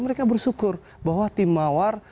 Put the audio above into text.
mereka bersyukur bahwa timawar